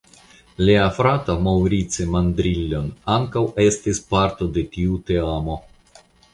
Lia frato "Maurice Mandrillon" ankaŭ estis parto de tiu teamo.